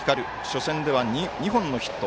初戦では２本のヒット。